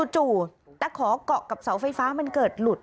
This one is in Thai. จู่ตะขอเกาะกับเสาไฟฟ้ามันเกิดหลุด